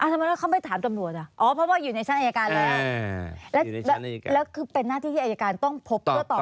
ทำไมเขาไปถามตำรวจอ่ะอ๋อเพราะแบบว่าอยู่ในชั้นไอ้อาการแหละ